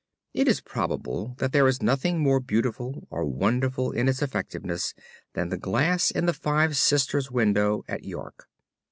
It is probable that there is nothing more beautiful or wonderful in its effectiveness than the glass in the Five Sisters window at York.